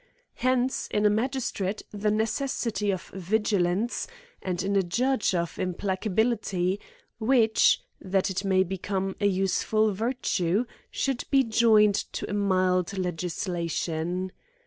Hence in a magistrate the necessity of vigilance, and in a judge of implacability, which, that it may become an useful virtue, should be joined to a mild legislation.